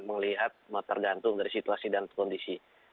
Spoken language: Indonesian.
melihat tergantung dari situasi dan kondisi